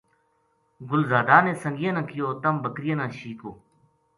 گل زادا نے سنگیاں نا کہیو تم بکریاں نا شیکو